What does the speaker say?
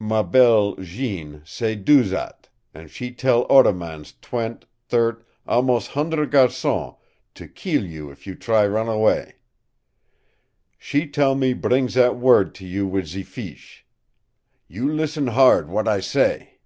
MA BELLE Jeanne say do zat, an' she tell oder mans twent', thirt', almos' hundre' GARCONS to keel you if you try run away. She tell me bring zat word to you wit' ze feesh. You listen hard w'at I say?"